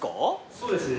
そうですね。